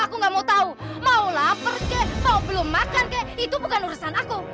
aku gak mau tau mau lapar kek mau belum makan kek itu bukan urusan aku